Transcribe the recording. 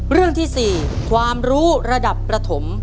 เรื่องที่๔ความรู้ระดับประถม